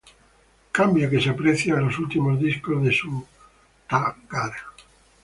Cambio que se aprecia en los últimos discos de Su Ta Gar.